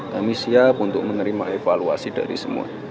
kami siap untuk menerima evaluasi dari semua